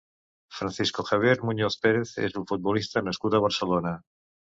Francisco Javier Muñoz Pérez és un futbolista nascut a Barcelona.